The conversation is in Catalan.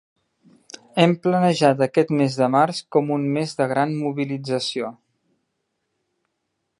Hem planejat aquest mes de març com un mes de gran mobilització.